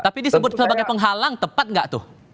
tapi disebut sebagai penghalang tepat nggak tuh